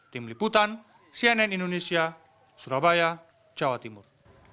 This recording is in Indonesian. tim liputan cnn indonesia surabaya jawa timur